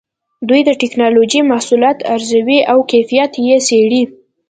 دوی د ټېکنالوجۍ محصولات ارزوي او کیفیت یې څېړي.